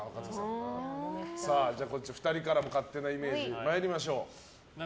２人からも勝手なイメージ参りましょう。